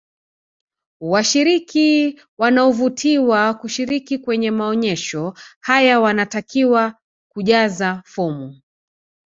washiriki wanaovutiwa kushiriki kwenye maonyesho haya wanatakiwa kujaze fomu